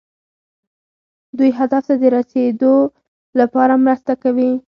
دوی هدف ته د رسیدو لپاره مرسته کوي.